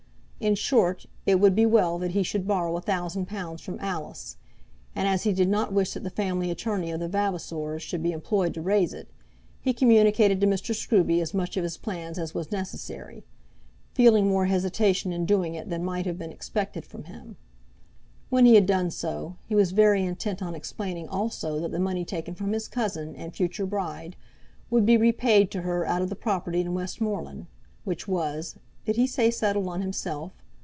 In short, it would be well that he should borrow a thousand pounds from Alice, and as he did not wish that the family attorney of the Vavasors should be employed to raise it, he communicated to Mr. Scruby as much of his plans as was necessary, feeling more hesitation in doing it than might have been expected from him. When he had done so, he was very intent on explaining also that the money taken from his cousin, and future bride, would be repaid to her out of the property in Westmoreland, which was, did he say settled on himself?